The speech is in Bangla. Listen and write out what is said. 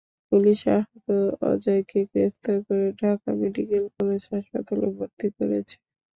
পুলিশ আহত অজয়কে গ্রেপ্তার করে ঢাকা মেডিকেল কলেজ হাসপাতালে ভর্তি করেছে।